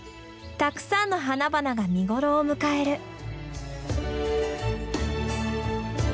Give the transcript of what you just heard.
たくさんの花々が見頃を迎える。